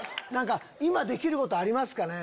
今できることありますかね？